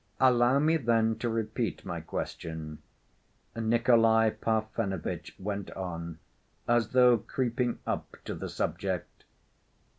"Allow me then to repeat my question," Nikolay Parfenovitch went on as though creeping up to the subject.